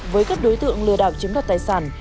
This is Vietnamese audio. với các đối tượng lừa đảo chiếm đoạt tài sản